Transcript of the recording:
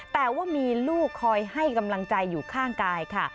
แต่ว่ามีลูกคอยให้กำลังใจอยู่ข้างกายค่ะ